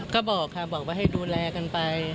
ก็บอกค่ะบอกว่าให้ดูแลกันไป